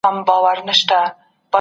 تاسي تل د ژوند په نېکۍ پسي ځئ.